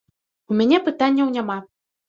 У мяне пытанняў няма.